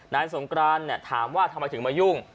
นายสงการเนี่ยถามว่าทำไมถึงมายุ่ง